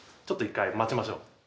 ちょっと１回待ちましょう。